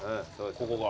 ここが。